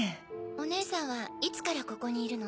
おねえさんはいつからここにいるの？